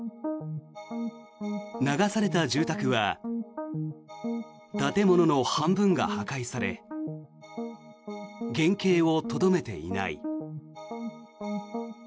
流された住宅は建物の半分が破壊され原形をとどめていない。